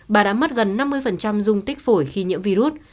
bà đã mất gần năm mươi dung tích phổi khi nhiễm virus